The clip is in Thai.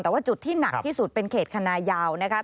แต่ว่าจุดที่หนักที่สุดเป็นเขตคณะยาวนะคะ